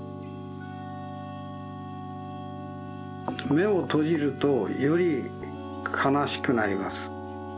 めをとじるとよりかなしくなります。